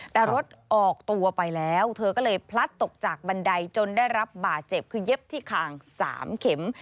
แต่รถออกตัวไปแล้วเธอก็เลยพลัดตกจากบันไดจนได้รับบาดเจ็บคือเย็บที่คาง๓เข็ม